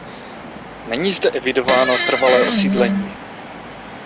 Není zde evidováno trvalé osídlení.